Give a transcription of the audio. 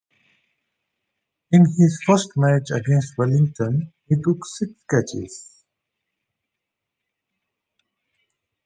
In his first match against Wellington he took six catches.